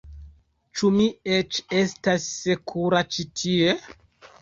Ĉu mi eĉ estas sekura ĉi tie?